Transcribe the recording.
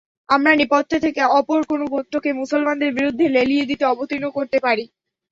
আমরা নেপথ্যে থেকে অপর কোন গোত্রকে মুসলমানদের বিরুদ্ধে লেলিয়ে দিতে অবতীর্ণ করতে পারি।